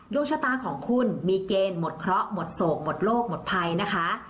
ดวงชะตาของคุณมีเกณฑ์หมดเคราะห์หมดโศกหมดโลกหมดภัยนะคะ